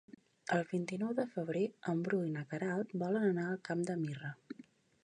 El vint-i-nou de febrer en Bru i na Queralt volen anar al Camp de Mirra.